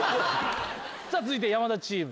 続いて山田チーム。